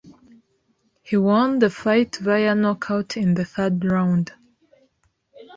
He won the fight via knockout in the third round.